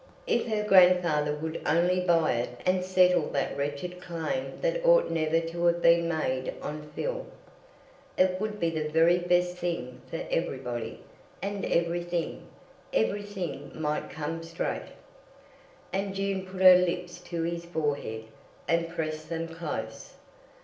If her grandfather would only buy it and settle that wretched claim that ought never to have been made on Phil! It would be the very best thing for everybody, and everything—everything might come straight. And June put her lips to his forehead, and pressed them close.